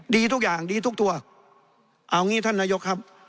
ดีทุกอย่างดีทุกตัวเอางี้ท่านนายกครับ